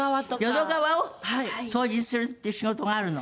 淀川を掃除するっていう仕事があるの？